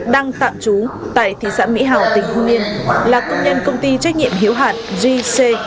đang tạm trú tại thị xã mỹ hào tỉnh hương yên là công nhân công ty trách nhiệm hiếu hạn gc